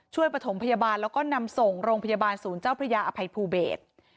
ประถมพยาบาลแล้วก็นำส่งโรงพยาบาลศูนย์เจ้าพระยาอภัยภูเบศ